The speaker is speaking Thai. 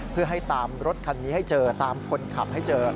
เพื่อให้ตามรถคันนี้ให้เจอตามคนขับให้เจอ